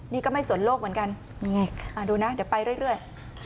นี่ก็ไม่สนโลกเหมือนกันนี่ไงดูนะเดี๋ยวไปเรื่อย